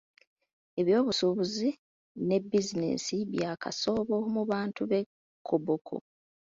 Ebyobusuubuzi ne bizinensi bya kasoobo mu bantu b'e Koboko.